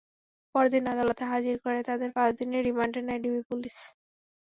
পরদিন আদালতে হাজির করে তাঁদের পাঁচ দিনের রিমান্ডে নেয় ডিবি পুলিশ।